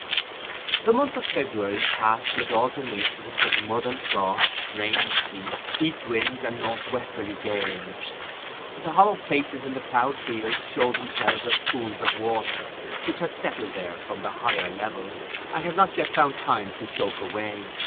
The month of February passed with alternations of mud and frost, rain and sleet, east winds and north westerly gales. The hollow places in the ploughed fields showed themselves as pools of water, which had settled there from the higher levels, and had not yet found time to soak away.